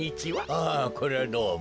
ああこりゃどうも。